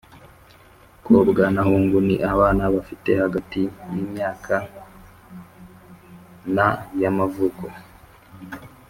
Kobwa na Hungu ni abana bafite hagati y imyaka na y amavuko